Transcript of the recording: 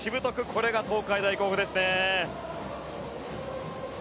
これが東海大甲府ですね。